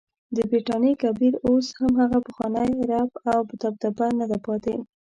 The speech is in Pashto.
د برټانیا کبیر هم اوس هغه پخوانی رعب او دبدبه نده پاتې.